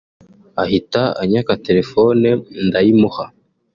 ahita anyaka telefone ndayimuha